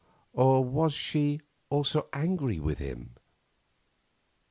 Or was she also angry with him?